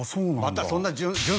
またそんな。